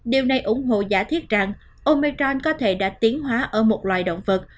điều này ủng hộ giả thiết rằng omechron có thể đã tiến hóa ở một loài động vật